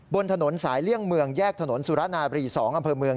บนถนนสายเลี่ยงเมืองแยกถนนสุรนาบรี๒อำเภอเมือง